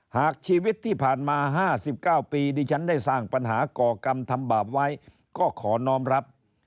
หากชีวิตที่ผ่านมา๕๙ปีดิฉันได้สร้างปัญหาก่อกรรมทำบาปไว้ก็ขอน้องรับ